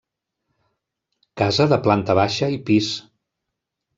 Casa de planta baixa i pis.